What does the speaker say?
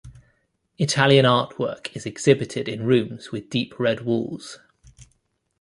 Italian artwork is exhibited in rooms with deep red walls.